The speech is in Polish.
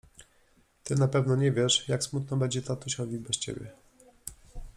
— Ty pewno nie wiesz, jak smutno będzie tatusiowi bez ciebie!